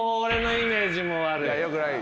よくない。